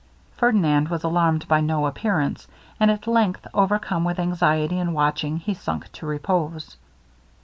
Ferdinand was alarmed by no appearance, and at length, overcome with anxiety and watching, he sunk to repose.